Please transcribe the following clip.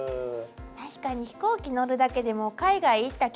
確かに飛行機乗るだけでも海外行った気分になるもんね。